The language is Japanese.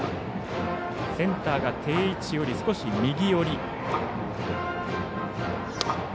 センターが定位置より少し右寄り。